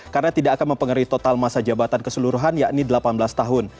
karena tidak akan mempengaruhi total masa jabatan keseluruhan yakni delapan belas tahun